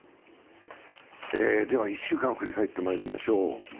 では１週間を振り返ってまいりましょう。